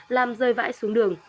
làm rơi vãi xuống đường